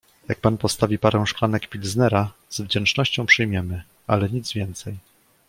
"„Jak pan postawi parę szklanek Pilznera, z wdzięcznością przyjmiemy, ale nic więcej."